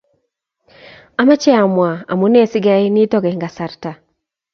Amache amuaa amune sikeyai nitok eng kasarta